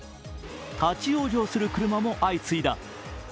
立ち往生する車も相次いだ。